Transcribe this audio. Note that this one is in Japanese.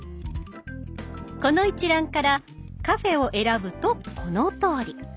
この一覧から「カフェ」を選ぶとこのとおり。